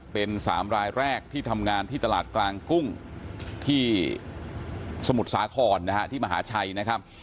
เป็น๓รายแรกที่ทำงานที่ตลาดกลางกุ้งที่สมุทรสาครนะฮะที่มหาชัยนะครับ